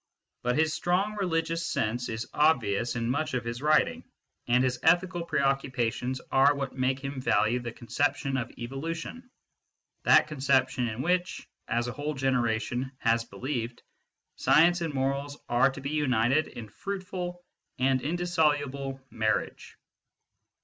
But his strong religious sense is obvious in much, of his writing, and his ethical preoccupations are what make him value the conception of evolution that conception in which, as_a whole generation has believed, sd(m(x_andjnorajs^ are to be united in fruitful and indissoluble marriage.